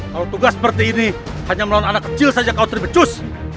kalau tugas seperti ini hanya melawan anak kecil saja kau terbecus